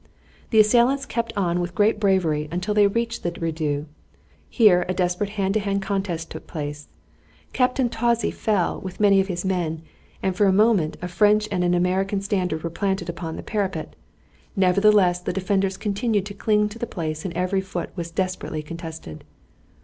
The assailants kept on with great bravery until they reached the redoubt; here a desperate hand to hand contest took place. Captain Tawse fell with many of his men, and for a moment a French and an American standard were planted upon the parapet; nevertheless the defenders continued to cling to the place and every foot was desperately contested.